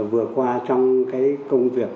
vừa qua trong công việc